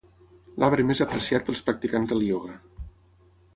L'arbre més apreciat pels practicants del ioga.